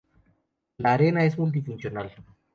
La Arena es multifuncional.